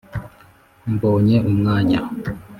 mbonye umwanya